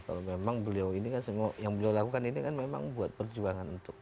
kalau memang beliau ini kan semua yang beliau lakukan ini kan memang buat perjuangan untuk